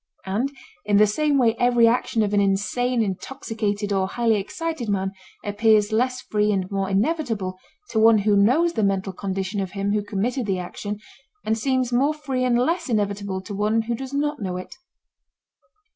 And in the same way every action of an insane, intoxicated, or highly excited man appears less free and more inevitable to one who knows the mental condition of him who committed the action, and seems more free and less inevitable to one who does not know it.